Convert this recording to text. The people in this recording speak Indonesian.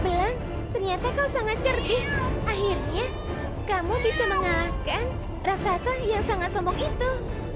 bilang ternyata kau sangat cerdih akhirnya kamu bisa mengalahkan raksasa yang sangat sombong itu